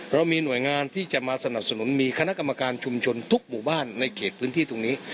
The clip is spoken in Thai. เรามีหน่วยงานที่จะมาสนับสนุนมีคณะกรรมการชุมชนทุกหมู่บ้านในเขตพื้นที่ตรงนี้